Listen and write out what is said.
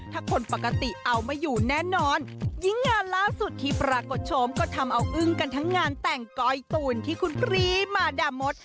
ถ้าคนปกติเอาไม่อยู่แน่นอนยิ่งงานล่าสุดที่ปรากฏโฉมก็ทำเอาอึ้งกันทั้งงานแต่งก้อยตูนที่คุณปรีมาดามด